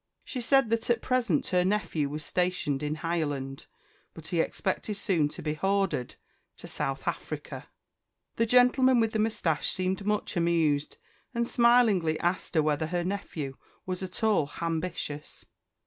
She said that at present her nephew was stationed in _h_ireland; but he expected soon to be _h_ordered to South _H_africa. The gentleman with the moustache seemed much amused, and smilingly asked her whether her nephew was at all _h_ambitious?